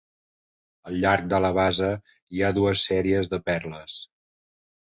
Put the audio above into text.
Al llarg de la base hi ha dues sèries de perles.